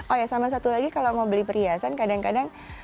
oh ya sama satu lagi kalau mau beli perhiasan kadang kadang